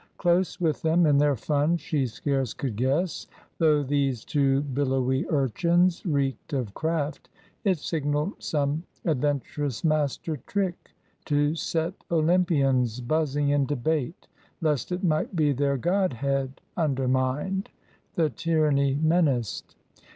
Close with them in their fun, she scarce could guess, Though these two billowy urchins reeked of craft, It signalled some adventurous master trick To set Olympians buzzing in debate, Lest it might be their godhead undermined, The Tyranny menaced.